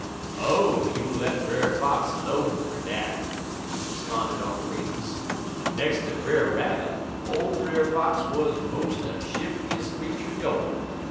"Oh, you let Brer Fox 'lone fer dat," responded Uncle Remus. "Nex' ter Brer Rabbit, ole Brer Fox wuz mos' de shiftiest creetur gwine.